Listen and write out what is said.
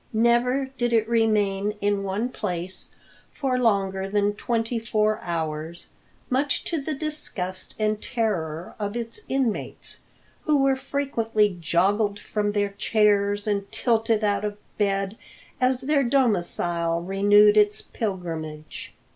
Never did it remain in one place for longer than twenty four hours, much to the disgust and terror of its inmates, who were frequently joggled from their chairs and tilted out of bed as their domicile renewed its pilgrimage.